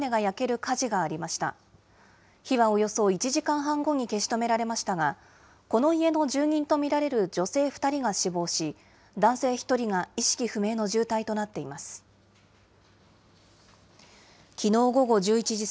火はおよそ１時間半後に消し止められましたが、この家の住人と見られる女性２人が死亡し、男性１人が意識不明の重体となっています。